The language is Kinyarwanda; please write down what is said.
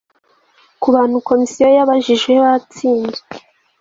ku bantu komisiyo yabajije batsinzwe